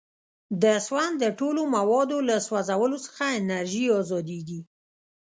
د سون د ټولو موادو له سوځولو څخه انرژي ازادیږي.